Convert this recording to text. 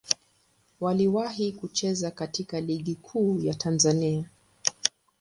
Waliwahi kucheza katika Ligi Kuu ya Tanzania.